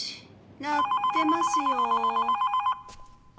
鳴ってますよ。